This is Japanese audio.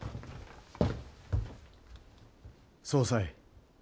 総裁。